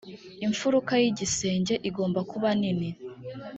imfuruka y igisenge igombakubanini.